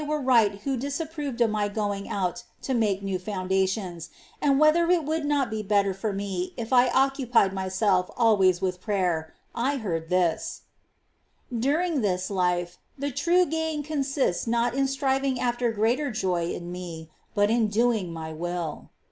were right who disapproved of my going out to make new foundations, and whether it would not be better for me if I occupied myself always with prayer, I heard this :" During this life, the true gain consists not in striving after greater joy in Me, but in doing My will."